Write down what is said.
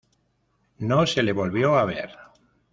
No se le volvió a ver.